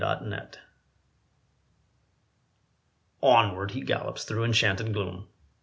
KNIGHT ERRANT Onward he gallops through enchanted gloom.